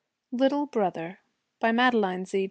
LITTLE BROTHER BY MADELEINE Z.